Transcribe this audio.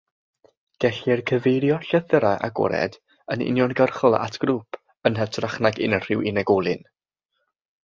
Gellir cyfeirio llythyrau agored yn uniongyrchol at grŵp yn hytrach nag unrhyw unigolyn.